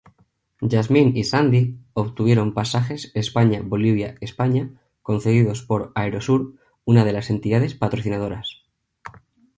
Jazmín y Sandy obtuvieron pasajes España-Bolivia-España concedidos por Aerosur, una de las entidades patrocinadoras.